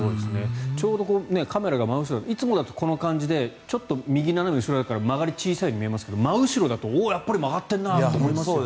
ちょうどカメラが真後ろでいつもだとこの感じでちょっと右斜め後ろだから曲がりが小さいように見えますが真後ろだとやっぱり曲がってるなって思いますよね。